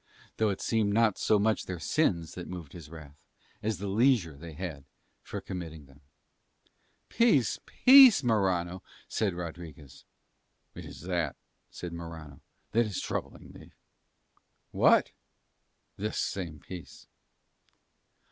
Though it seemed not so much their sins that moved his wrath as the leisure they had for committing them. "Peace, peace, Morano," said Rodriguez. "It is that," said Morano, "that is troubling me." "What?" "This same peace."